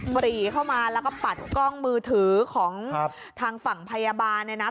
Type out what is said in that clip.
ปรีเข้ามาแล้วก็ปัดกล้องมือถือของทางฝั่งพยาบาลเนี่ยนะ